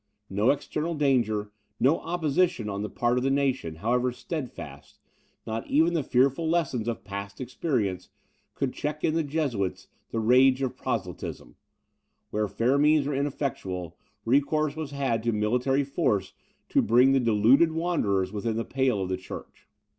No external danger, no opposition on the part of the nation, however steadfast, not even the fearful lessons of past experience could check in the Jesuits the rage of proselytism; where fair means were ineffectual, recourse was had to military force to bring the deluded wanderers within the pale of the church.